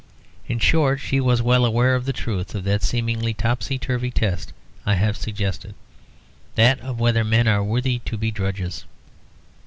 In short she was well aware of the truth of that seemingly topsy turvy test I have suggested; that of whether men are worthy to be drudges.